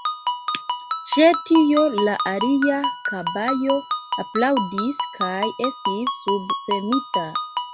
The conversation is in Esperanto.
Ĉe tio la alia kobajo aplaŭdis kaj estis subpremita.